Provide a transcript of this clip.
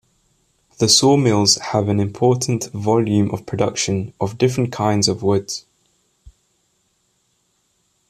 The sawmills have an important volume of production of different kinds of woods.